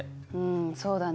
んそうだね。